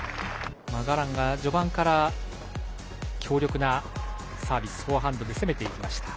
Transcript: ガランが序盤から強力なサービスフォアハンドで攻めていきました。